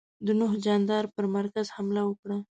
د نوح جاندار پر مرکز حمله وکړه.